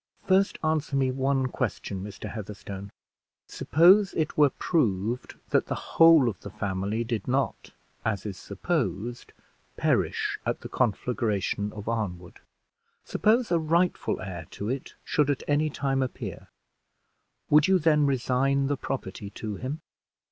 "First answer me one question, Mr. Heatherstone. Suppose it were proved that the whole of the family did not, as it is supposed, perish at the conflagration of Arnwood? Suppose a rightful heir to it should at any time appear, would you then resign the property to him?"